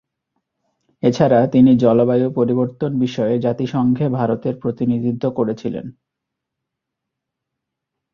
এছাড়া তিনি জলবায়ু পরিবর্তন বিষয়ে জাতিসংঘে ভারতের প্রতিনিধিত্ব করেছিলেন।